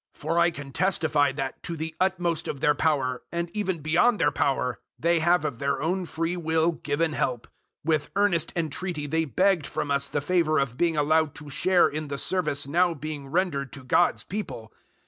008:003 For I can testify that to the utmost of their power, and even beyond their power, they have of their own free will given help. 008:004 With earnest entreaty they begged from us the favour of being allowed to share in the service now being rendered to God's people.